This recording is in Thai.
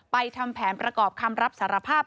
ทำแผนประกอบคำรับสารภาพ